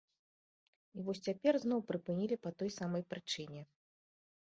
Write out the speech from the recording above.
І вось цяпер зноў прыпынілі па той самай прычыне.